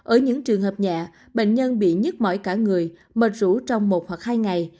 ở những trường hợp nhẹ bệnh nhân bị nhức mỏi cả người mệt rủ trong một hoặc hai ngày